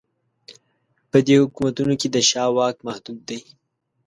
په دې حکومتونو کې د شاه واک محدود دی.